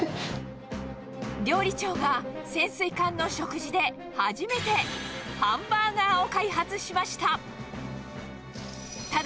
料理長が潜水艦の食事で初めて、ハンバーガーを開発しました。